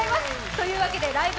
というわけで「ライブ！